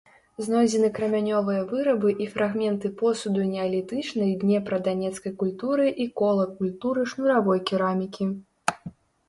Знойдзены крамянёвыя вырабы і фрагменты посуду неалітычнай днепра-данецкай культуры і кола культуры шнуравой керамікі.